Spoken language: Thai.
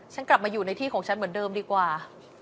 ฉันกลับมาอยู่ในที่ของฉันเหมือนเดิมดีกว่า